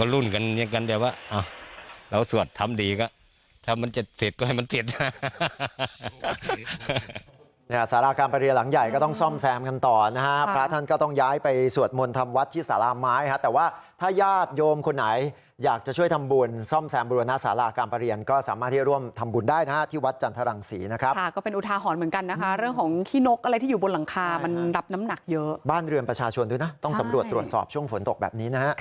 แล้วสวัสดิ์ทำดีก็ถ้ามันจะเสร็จก็ให้มันเสร็จนะครับ